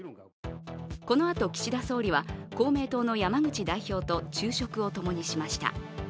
このあと岸田総理は、公明党の山口代表と昼食を共にしました。